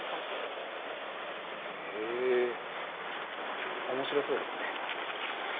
へえ面白そうですね。